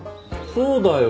そうだよ。